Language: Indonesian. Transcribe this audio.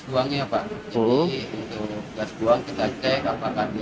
kuncik lolos uji emisi untuk ambang parah